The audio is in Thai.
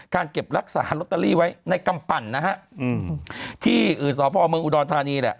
การเก็บรักษารอตเตอรี่ไว้ในกำปั่นนะฮะที่สภอเมืองอุดรธานีเนี่ย